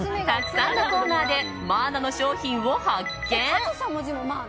たくさんのコーナーでマーナの商品を発見。